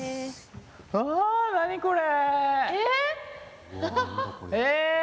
わあ、何これ？